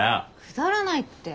くだらないって！